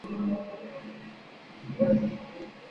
Trazaron un programa sobre el pensamiento social cristiano.